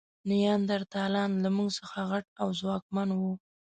نیاندرتالان له موږ څخه غټ او ځواکمن وو.